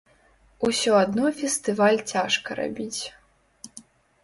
Усё адно фестываль цяжка рабіць.